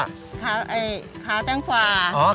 ขาวแต่งกวา